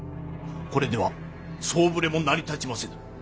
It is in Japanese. これでは総触れも成り立ちませぬ。